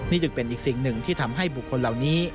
นี่จึงเป็นอีกสิ่งหนึ่งที่ทำให้บุคคลเหล่านี้